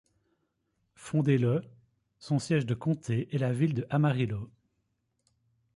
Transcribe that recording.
Fondé le son siège de comté est la ville de Amarillo.